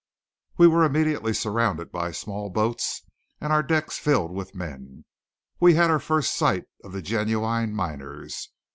We were immediately surrounded by small boats, and our decks filled with men. We had our first sight of the genuine miners.